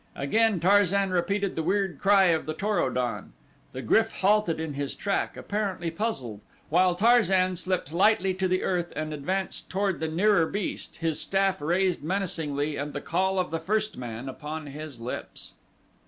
Again Tarzan repeated the weird cry of the Tor o don. The GRYF halted in his track, apparently puzzled, while Tarzan slipped lightly to the earth and advanced toward the nearer beast, his staff raised menacingly and the call of the first man upon his lips.